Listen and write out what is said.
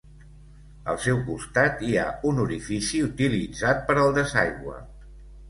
Al seu costat hi ha un orifici utilitzat per al desaigüe.